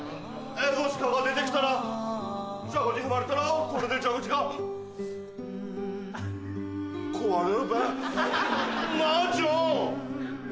エゾシカが出てきたら蛇口踏まれたらこれで蛇口が壊れるべぇ。なぁ純！